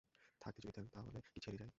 থাকতে যদি দেন তা হলে কি ছেড়ে যাই?